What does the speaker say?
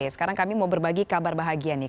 sekarang kami mau berbagi kabar bahagia nih